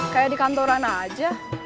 kayak di kantoran aja